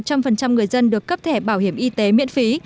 hiện nay một trăm linh người dân được cấp thẻ bảo hiểm y tế miễn phí